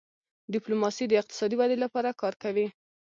ډيپلوماسي د اقتصادي ودې لپاره کار کوي.